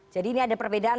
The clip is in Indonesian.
jadi ini ada perbedaan